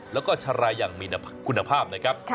แล้วก็ชะลายอย่างมีคุณภาพนะครับ